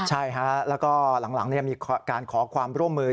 ใช่ฮะแล้วก็หลังมีการขอความร่วมมือ